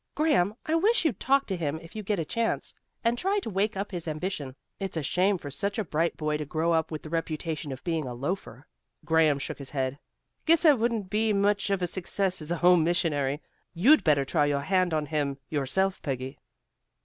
"Graham, I wish you'd talk to him if you get a chance, and try to wake up his ambition. It's a shame for such a bright boy to grow up with the reputation of being a loafer." Graham shook his head. "Guess I wouldn't be much of a success as a home missionary. You'd better try your hand on him yourself, Peggy."